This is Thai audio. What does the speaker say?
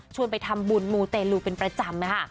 ไปทำบุญมูเตลูเป็นประจำนะคะ